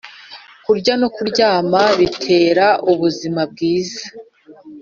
Kurya nokuryama bitera ubuzima bwiza